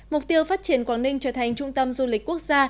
mục tiêu phát triển quảng ninh trở thành trung tâm du lịch quốc gia